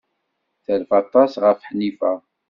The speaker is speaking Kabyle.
Terfa aṭas ɣef Ḥnifa.